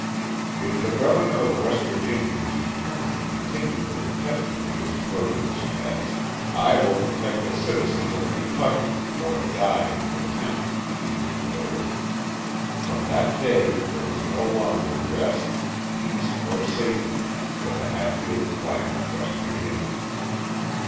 "If the governor of West Virginia is determined to continue the protection of his murderous pets, I will protect the citizens of Kentucky, or die in the attempt!" he declared. From that day there was no longer rest, peace or safety for the Hatfield clan of West Virginia.